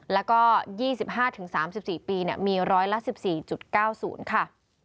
แล้วก็๒๕๓๔ปีเนี่ยมี๑๑๔๙๐ค่ะ